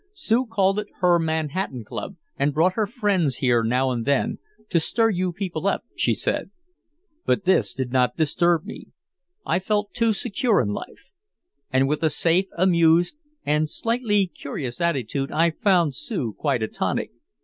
Sue called it her Manhattan club and brought her friends here now and then "to stir you people up," she said. But this did not disturb me, I felt too secure in life. And with a safe, amused and slightly curious attitude I found Sue quite a tonic.